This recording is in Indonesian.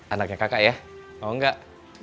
anaknya kakak ya mau enggak